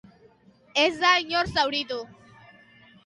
Ez da inor zauritu.